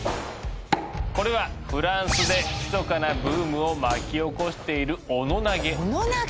これはフランスでひそかなブームを巻き起こしているオノ投げ？